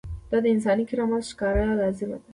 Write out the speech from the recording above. دا د انساني کرامت ښکاره لازمه ده.